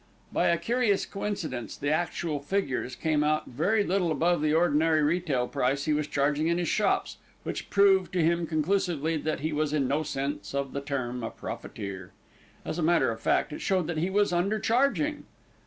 By a curious coincidence, the actual figures came out very little above the ordinary retail price he was charging in his shops, which proved to him conclusively that he was in no sense of the term a profiteer. As a matter of fact, it showed that he was under charging.